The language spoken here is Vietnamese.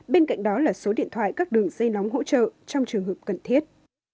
bên cạnh đó là số điện thoại các đường dây nóng hỗ trợ trong trường hợp cần thiết